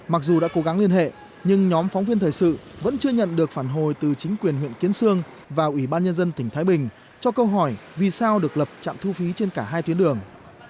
mặc dù đã cố gắng liên hệ nhưng nhóm phóng viên thời sự vẫn chưa nhận được phản hồi từ chính quyền huyện kiến sương và ủy ban nhân dân tỉnh thái bình cho câu hỏi vì sao được lập trạm thu phí trên cả hai tuyến đường